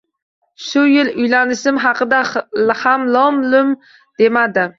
Shu yil uylanishim haqida ham lom-mim demadim